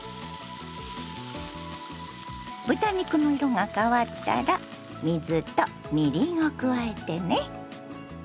豚肉の色が変わったら水とみりんを加えてね。